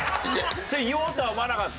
それ言おうとは思わなかった？